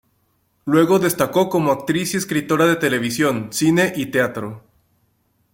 Luego destacó como actriz y escritora de televisión, cine y teatro.